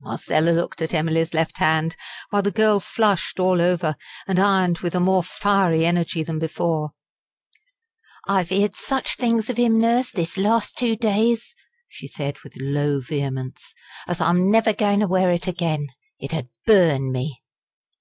Marcella looked at Emily's left hand, while the girl flushed all over, and ironed with a more fiery energy than before. "I've 'eerd such things of 'im, Nurse, this last two days," she said with low vehemence "as I'm never goin' to wear it again. It 'ud burn me!"